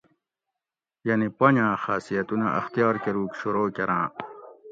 یعنی پنجاۤ خاصیتونہ اختیار کۤروگ شروع کراۤں